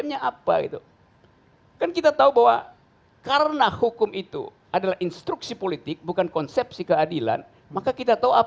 ya publik kan begitu